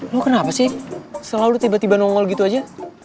mau kenapa sih selalu tiba tiba nongol gitu aja